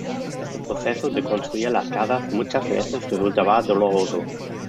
Este proceso de construir las casas, muchas veces resultaba doloroso.